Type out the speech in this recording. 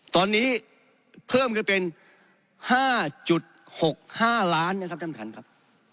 ตอนนี้เพิ่มก็เป็น๕๖๕ล้านเนี่ยครับท่านครับ